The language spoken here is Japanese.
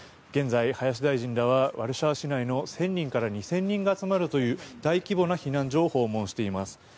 現在林大臣らはワルシャワ市内の１０００人から２０００人が集まるという大規模な避難所を訪問しています。